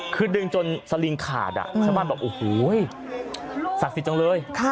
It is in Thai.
คือดึงจนสลิงขาดชาวบ้านบอกโอ้โหศักดิ์สิทธิ์จังเลย